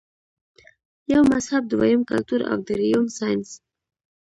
يو مذهب ، دويم کلتور او دريم سائنس -